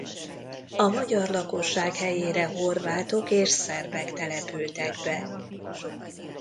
A magyar lakosság helyére horvátok és szerbek települtek be.